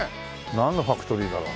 なんのファクトリーだろう？